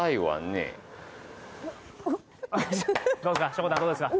しょこたんどうですか？